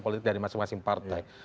politik dari masing masing partai